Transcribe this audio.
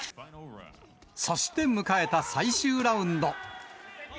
そして迎えた最終ラウンド。